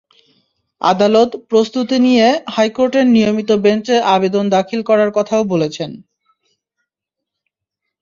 আদালত প্রস্তুতি নিয়ে হাইকোর্টের নিয়মিত বেঞ্চে আবেদন দাখিল করার কথাও বলেছেন।